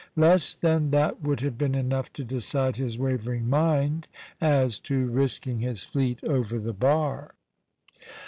Less than that would have been enough to decide his wavering mind as to risking his fleet over the bar.